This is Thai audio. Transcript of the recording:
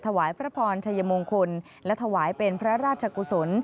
ถวายพระพรชัยมงคลและถวายเป็นพระราชกุศล